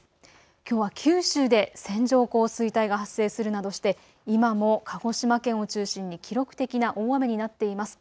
きょうは九州で線状降水帯が発生するなどして今も鹿児島県を中心に記録的な大雨になっています。